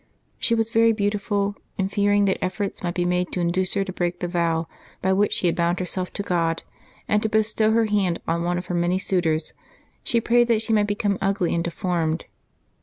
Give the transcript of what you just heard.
She was very beautiful, and fearing that efforts might be made to induce her to break the vow by which she had bound herself to God, and to be stow her hand on one of her many suitors, she prayed that she might become ugly and deformed.